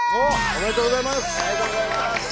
ありがとうございます。